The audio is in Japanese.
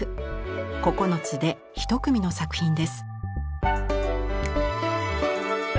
９つで一組の作品です。